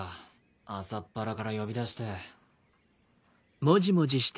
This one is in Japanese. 朝っぱらから呼び出して。